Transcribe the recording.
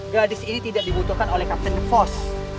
gadis ini tidak dibutuhkan oleh kapten force